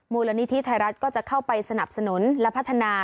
มูลนิธิไทยรัฐก็จะเข้าไปสนับสนุนและพัฒนา